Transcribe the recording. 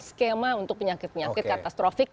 skema untuk penyakit penyakit katastrofik